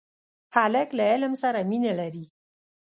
هلک له علم سره مینه لري.